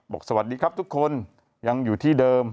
สวัสดีครับทุกคนยังอยู่ที่เดิม